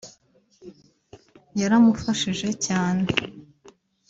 yaramufashije cyane